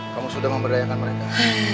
kamu sudah memberdayakan mereka